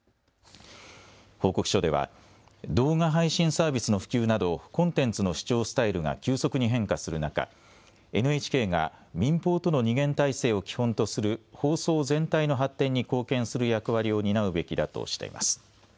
報告書では動画配信サービスの普及などコンテンツの視聴スタイルが急速に変化する中、ＮＨＫが民放との二元体制を基本とする放送全体の発展に貢献する役割を担うべきだとしています。